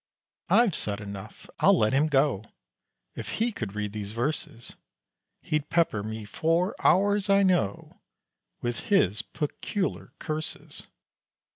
I've said enough I'll let him go! If he could read these verses, He'd pepper me for hours, I know, With his peculiar curses.